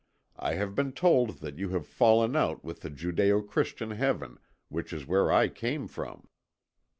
I have been told that you have fallen out with the Judæo Christian heaven, which is where I came from."